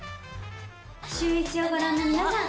シューイチをご覧の皆さん。